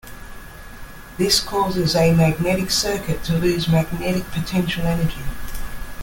This causes a magnetic circuit to lose magnetic potential energy.